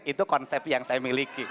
itu konsep yang saya miliki